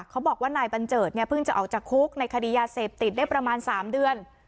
เขาบอกว่านายบัญเจิดเนี่ยเพิ่งจะออกจากคุกในคดียาเสพติดได้ประมาณ๓เดือน